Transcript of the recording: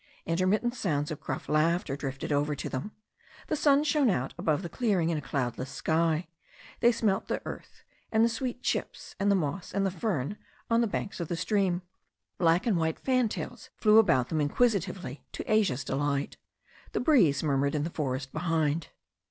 Intermittent sounds of gruff laughter drifted over to them. The sun shone out above the clearing in a cloudless sky. They smelt the earth, and the sweet chips, and the moss and the fern on the banks of the stream. Black and white fantails flew about them inquisitively, to Asia's delight. The breeze murmured in the forest behind.